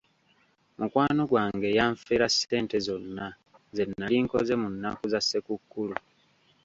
Mukwano gwange yanfera ssente zonna ze nali nkoze mu nnaku za ssekukkulu.